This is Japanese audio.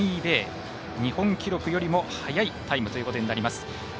日本記録よりも速いタイムとなります。